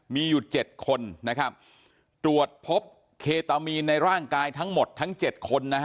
มีอยู่๗คนนะครับตรวจพบเคตามีนในร่างกายทั้งหมดทั้ง๗คนนะฮะ